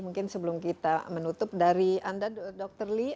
mungkin sebelum kita menutup dari anda dr lee